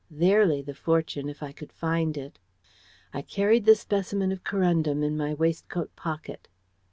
There lay the fortune, if I could find it. I carried the specimen of corundum in my waistcoat pocket.